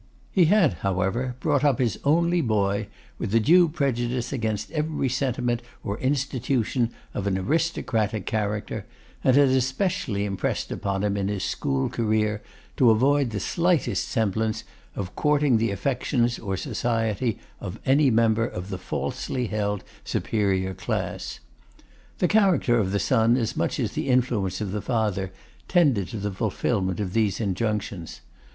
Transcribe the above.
He had, however, brought up his only boy with a due prejudice against every sentiment or institution of an aristocratic character, and had especially impressed upon him in his school career, to avoid the slightest semblance of courting the affections or society of any member of the falsely held superior class. The character of the son as much as the influence of the father, tended to the fulfilment of these injunctions.